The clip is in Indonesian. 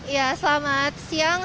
ya selamat siang